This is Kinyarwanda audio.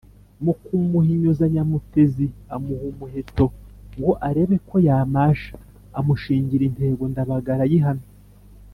Mu kumuhinyuza, Nyamutezi amuha umuheto ngo arebe ko yamasha, amushingira intego, Ndabaga arayihamya.